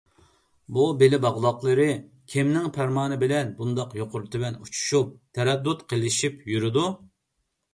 بۇ بېلى باغلاقلىقلىرى كىمنىڭ پەرمانى بىلەن بۇنداق يۇقىرى - تۆۋەن ئۇچۇشۇپ تەرەددۇت قىلىشىپ يۈرىدۇ؟